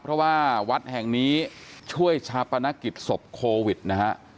เพราะว่าวัดแห่งนี้ช่วยชาปนกิจศพโควิดนะฮะ